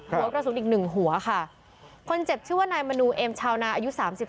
แล้วกระสุนอีกหนึ่งหัวค่ะผู้เจ็บเชื่อวนายมนูเอ็มชาวนาอายุ๓๔ปี